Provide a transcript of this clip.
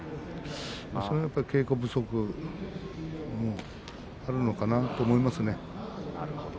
それは稽古不足あるのかなとは思いますね。